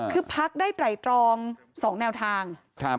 คือพักได้ไตรตรอง๒แนวทาง